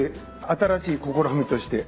新しい試みとして。